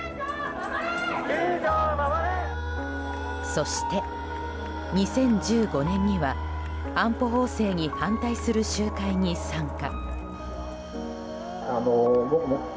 そして２０１５年には安保法制に反対する集会に参加。